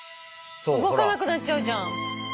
動かなくなっちゃうじゃん。